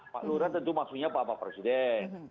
pak lurah tentu maksudnya bapak presiden